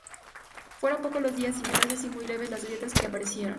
Fueron pocos los días sin clases y muy leves las grietas que aparecieron.